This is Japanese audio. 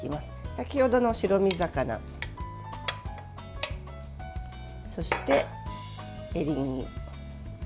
先程の白身魚、そしてエリンギ。